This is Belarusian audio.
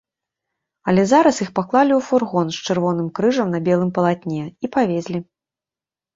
Але зараз іх паклалі ў фургон з чырвоным крыжам на белым палатне і павезлі.